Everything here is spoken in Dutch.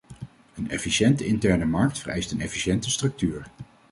Een efficiënte interne markt vereist een efficiënte structuur.